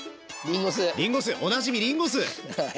りんご酢おなじみりんご酢。